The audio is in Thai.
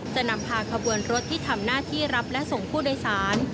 จะนำพาขบวนรถที่ทำหน้าที่รับและส่งผู้โดยสาร